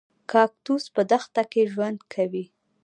کاکتوس په دښته کې ژوند کوي